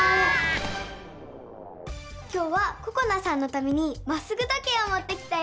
今日はここなさんのためにまっすぐ時計をもってきたよ！